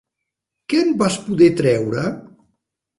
Què en vas poder treure?